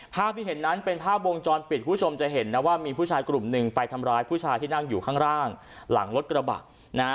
ภาพที่เห็นนั้นเป็นภาพวงจรปิดคุณผู้ชมจะเห็นนะว่ามีผู้ชายกลุ่มหนึ่งไปทำร้ายผู้ชายที่นั่งอยู่ข้างล่างหลังรถกระบะนะฮะ